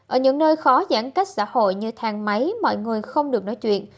ở những nơi khó giãn cách xã hội như thang máy mọi người không được nói chuyện